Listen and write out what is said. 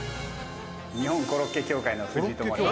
「日本コロッケ協会の藤井と申します。